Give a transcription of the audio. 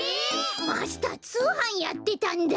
マスターつうはんやってたんだ。